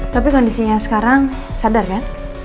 tapi kondisinya sekarang sadar kan